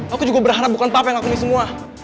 aku juga berharap bukan papa yang ngakuni semua